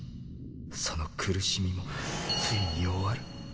その苦しみもついに終わる。